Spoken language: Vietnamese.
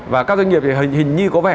và các doanh nghiệp thì hình như có vẻ